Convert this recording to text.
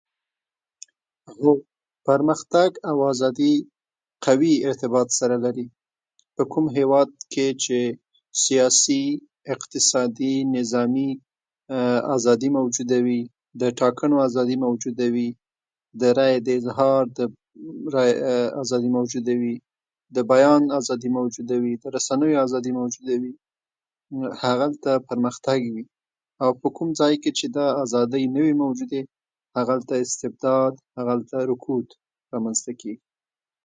پرمختګ او آزادي قوي ارتباط سره لري په کوم هیواد کې چې سیاسي، اقتصادي نظامي آزادي موجوده وي د ټاکنو آزادي موجوده وي د رایې د اظهار آزادي موجوده وي د بیان آزادي موجوده وي د رسنیو آزادي موجوده وي نو هغلته پرمختګ وي په کوم ځای کې چې دا آزادی نه وي موجودي نو هغلته استبداد هغلته رکوب رامنځته کیږي